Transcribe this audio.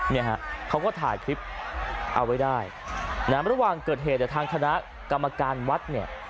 เนี่ยฮะเขาก็ถ่ายคลิปเอาไว้ได้นะระหว่างเกิดเหตุเนี่ยทางคณะกรรมการวัดเนี่ย